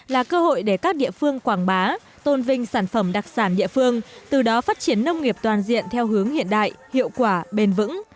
là cơ hội để các địa phương quảng bá tôn vinh sản phẩm đặc sản địa phương từ đó phát triển nông nghiệp toàn diện theo hướng hiện đại hiệu quả bền vững